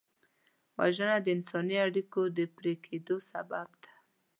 وژنه د انساني اړیکو د پرې کېدو سبب ده